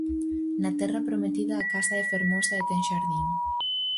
Na terra prometida a casa é fermosa e ten xardín.